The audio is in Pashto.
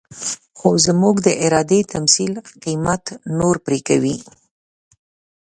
خو زموږ د ارادې تمثيل قيمت نور پرې کوي.